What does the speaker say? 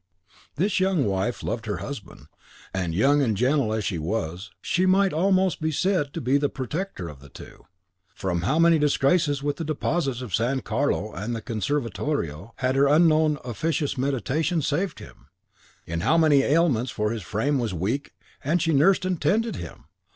This young wife loved her husband; and young and gentle as she was, she might almost be said to be the protector of the two. From how many disgraces with the despots of San Carlo and the Conservatorio had her unknown officious mediation saved him! In how many ailments for his frame was weak had she nursed and tended him!